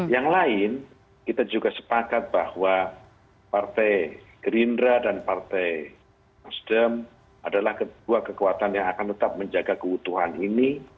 yang lain kita juga sepakat bahwa partai gerindra dan partai nasdem adalah kedua kekuatan yang akan tetap menjaga keutuhan ini